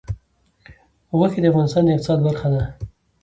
غوښې د افغانستان د اقتصاد برخه ده.